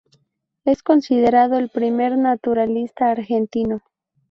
Es considerado el primer naturalista argentino.